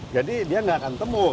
jadi dia nggak akan temut